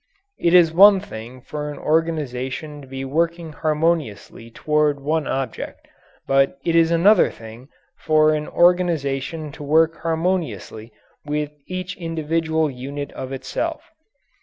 It is one thing for an organization to be working harmoniously toward one object, but it is another thing for an organization to work harmoniously with each individual unit of itself.